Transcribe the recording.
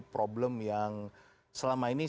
problem yang selama ini